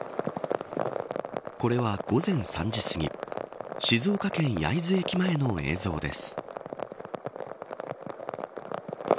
これは午前３時すぎ静岡県焼津駅前の映像です。